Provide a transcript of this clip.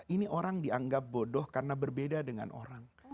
ini orang dianggap bodoh karena berbeda dengan orang